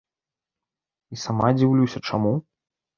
І сама дзіўлюся чаму.